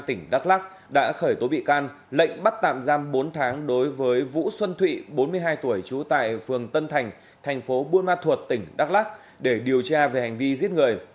tỉnh đắk lắc đã khởi tố bị can lệnh bắt tạm giam bốn tháng đối với vũ xuân thụy bốn mươi hai tuổi trú tại phường tân thành thành phố buôn ma thuột tỉnh đắk lắc để điều tra về hành vi giết người